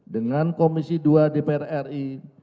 dengan komisi dua dpr ri